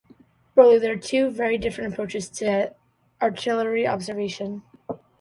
Broadly, there are two very different approaches to artillery observation.